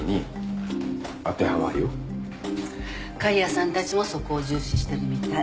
狩矢さんたちもそこを重視してるみたい。